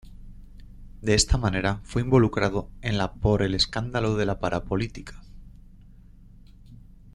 De esta manera fue involucrado en la por el escándalo de la parapolítica.